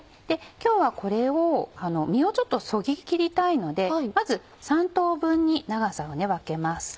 今日はこれを実をそぎ切りたいのでまず３等分に長さを分けます。